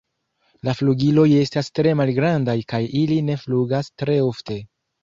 La flugiloj estas tre malgrandaj kaj ili ne flugas tre ofte.